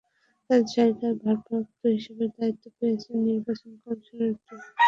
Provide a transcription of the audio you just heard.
তাঁর জায়গায় ভারপ্রাপ্ত হিসেবে দায়িত্ব পেয়েছেন নির্বাচন কমিশনের অতিরিক্ত সচিব সিরাজুল ইসলাম।